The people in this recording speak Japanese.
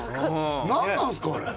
何なんすかあれ。